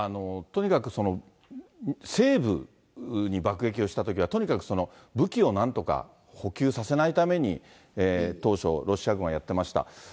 とにかく西部に爆撃をしたときは、とにかく武器をなんとか補給させないために、当初、ロシア軍はやってました。